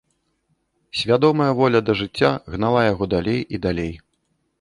Свядомая воля да жыцця гнала яго далей і далей.